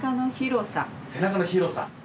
背中の広さ。